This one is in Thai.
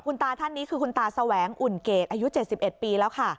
ตาท่านนี้คือคุณตาแสวงอุ่นเกรดอายุ๗๑ปีแล้วค่ะ